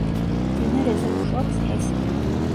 მდინარეზე მუშაობს ჰესი.